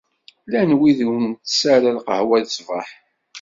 Llan wid ur ntess ara lqahwa ṣṣbeḥ.